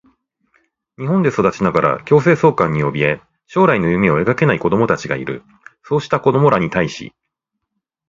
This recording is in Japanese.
日本で育ちながら強制送還におびえ、将来の夢を描けない子どもたちがいる。そうした子どもらに対し、